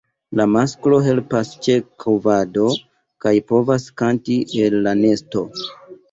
La masklo helpas ĉe kovado kaj povas kanti el la nesto.